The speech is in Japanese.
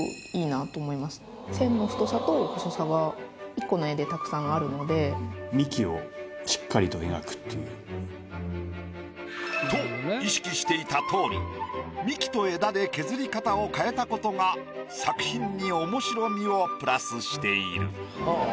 １個の絵でと意識していたとおり幹と枝で削り方を変えたことが作品に面白みをプラスしている。